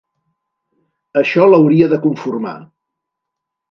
Això l'hauria de conformar!